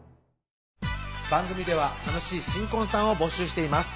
番組では楽しい新婚さんを募集しています